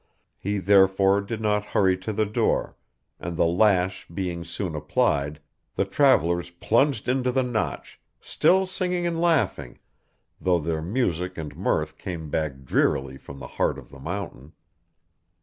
He therefore did not hurry to the door; and the lash being soon applied, the travellers plunged into the Notch, still singing and laughing, though their music and mirth came back drearily from the heart of the mountain.